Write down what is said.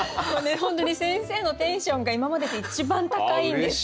本当に先生のテンションが今までで一番高いんですよ。